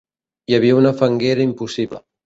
Hi havia una fanguera impossible.